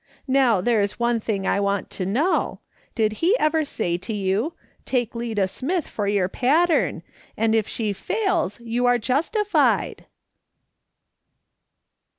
Kow, there's one thing I want to know : Did he ever say to you, ' Take Lida Smith for your pattern, and if she fails you are justified